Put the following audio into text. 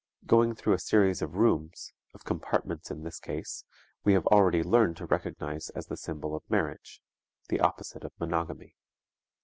Going through a series of rooms, of compartments in this case, we have already learned to recognize as the symbol of marriage (the opposite of monogamy).